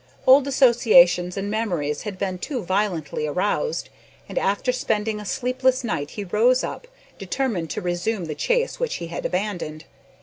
Old associations and memories had been too violently aroused, and, after spending a sleepless night he rose up, determined to resume the chase which he had abandoned.